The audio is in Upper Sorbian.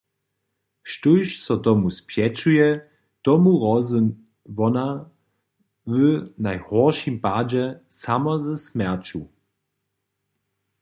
Štóž so tomu spjećuje, tomu hrozy wona w najhóršim padźe samo ze smjerću.